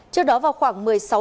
trước đó vào khoảng một mươi giờ